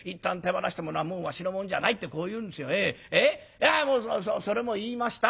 いやもうそれも言いました。